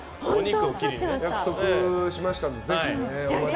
約束しましたのでぜひね。